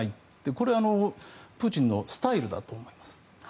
これはプーチンのスタイルだと思います。